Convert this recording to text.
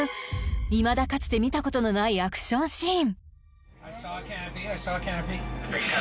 いまだかつて見たことのないアクションシーン